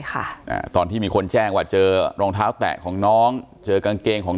ค่ะอ่าตอนที่มีคนแจ้งว่าเจอรองเท้าแตะของน้องเจอกางเกงของ